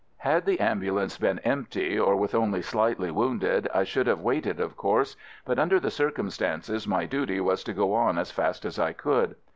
Had the ambulance been empty, or with only slightly wounded, I should have waited, of course, but under the circumstances my duty was to go on as fast as I could.